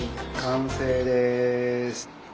完成です。